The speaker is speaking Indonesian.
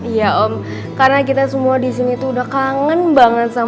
iya om karena kita semua disini tuh udah kangen banget sama